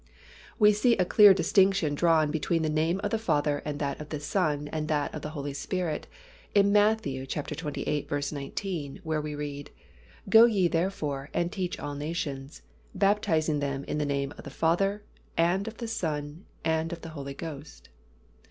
We see a clear distinction drawn between the name of the Father and that of the Son and that of the Holy Spirit in Matt, xxviii. 19, where we read, "Go ye therefore, and teach all nations, baptizing them in the name of the Father, and of the Son, and of the Holy Ghost."